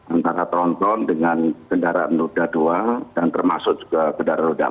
antara tonton dengan kendaraan lodha dua dan termasuk juga kendaraan lodha empat